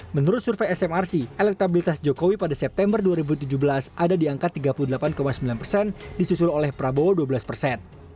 menurut survei smrc elektabilitas jokowi pada september dua ribu tujuh belas ada di angka tiga puluh delapan sembilan persen disusul oleh prabowo dua belas persen